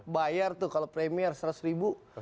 bayar tuh kalau premier seratus ribu